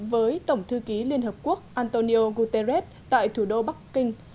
với tổng thư ký liên hợp quốc antonio guterres tại thủ đô bắc kinh